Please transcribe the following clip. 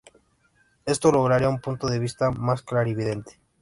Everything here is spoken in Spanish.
Esto lograría un punto de vista más clarividente.